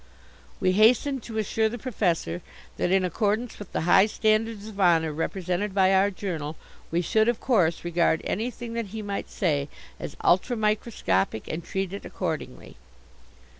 We hastened to assure the Professor that, in accordance with the high standards of honour represented by our journal, we should of course regard anything that he might say as ultramicroscopic and treat it accordingly.